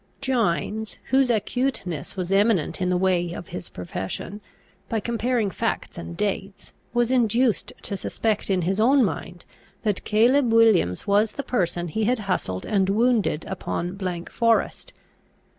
Gines, whose acuteness was eminent in the way of his profession, by comparing facts and dates, was induced to suspect in his own mind, that Caleb Williams was the person he had hustled and wounded upon forest.